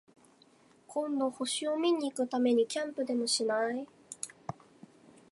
今度、星を見に行くためにキャンプでもしない？